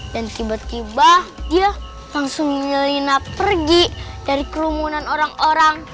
dan tiba tiba dia langsung ngelinap pergi dari kerumunan orang orang